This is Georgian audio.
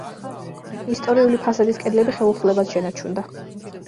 ისტორიული ფასადის კედლები ხელუხლებლად შენარჩუნდა.